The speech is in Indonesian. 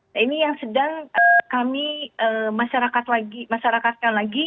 nah ini yang sedang kami masyarakatkan lagi